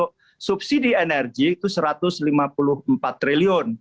apbn dua ribu dua puluh dua untuk subsidi energi itu rp satu ratus lima puluh empat triliun